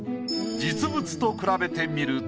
実物と比べてみると。